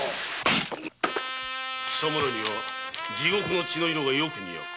貴様らには地獄の血の色がよく似合う。